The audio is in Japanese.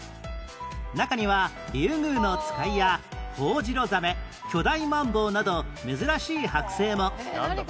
中にはリュウグウノツカイやホホジロザメ巨大マンボウなど珍しいはく製もなんだ？